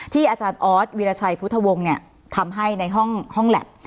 อาจารย์ออสวีรชัยพุทธวงศ์ทำให้ในห้องแล็บ